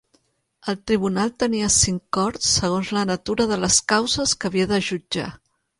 El tribunal tenia cinc corts segons la natura de les causes que havia de jutjar.